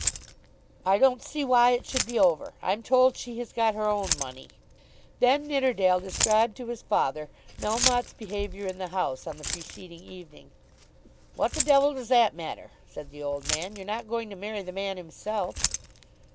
"I don't see why it should be over. I'm told she has got her own money." Then Nidderdale described to his father Melmotte's behaviour in the House on the preceding evening. "What the devil does that matter?" said the old man. "You're not going to marry the man himself."